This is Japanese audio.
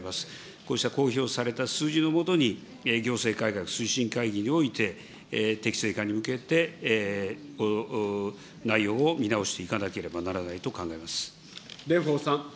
こうした公表された数字のもとに、行政改革推進会議において適正化に向けて内容を見直していかなけ蓮舫さん。